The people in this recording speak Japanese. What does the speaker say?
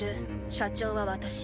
社長は私。